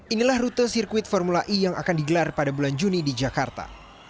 inilah rute sirkuit formula e yang akan digelar pada bulan juni di jakarta